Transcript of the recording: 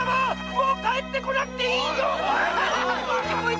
もう帰ってこなくていいぞ！